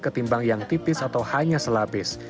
ketimbang yang tipis atau hanya selapis